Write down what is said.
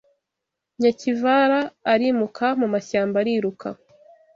Nyakivara arimuka Mu mashyamba ariruka